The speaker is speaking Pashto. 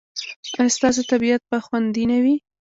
ایا ستاسو طبیعت به خوندي نه وي؟